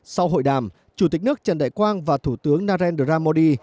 sau hội đàm chủ tịch nước trần đại quang và thủ tướng narendra modi